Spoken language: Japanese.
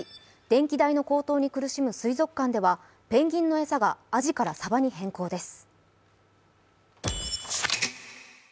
電気代の高騰に苦しむ水族館ではペンギンの餌がアジからサバに変更です。